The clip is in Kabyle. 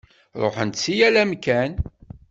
Ṛuḥen-d si yal amkan.